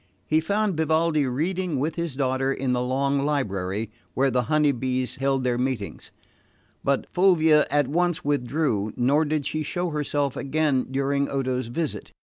He found Vivaldi reading with his daughter in the long library where the Honey Bees held their meetings; but Fulvia at once withdrew, nor did she show herself again during Odo's visit.